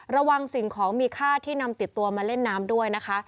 ระวังสิ่งของมีค่าที่นำติดตัวมาเล่นน้ำด้วยนะคะ